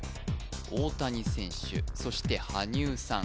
大谷選手そして羽生さん